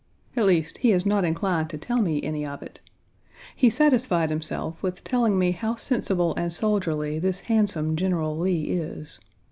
At least, he is not inclined to tell me any of it. He satisfied himself with telling me how sensible and soldierly this handsome General Lee is.